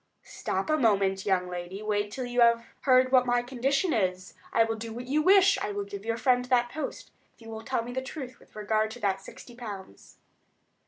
"Stop a moment, young lady; wait until you have heard what my condition is. I will do what you wish—I will give your friend that post—if you will tell me the truth with regard to that sixty pounds."